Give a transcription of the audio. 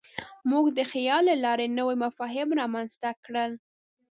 موږ د خیال له لارې نوي مفاهیم رامنځ ته کړل.